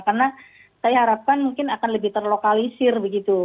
karena saya harapkan mungkin akan lebih terlokalisir begitu